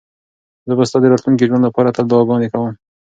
زه به ستا د راتلونکي ژوند لپاره تل دعاګانې کوم.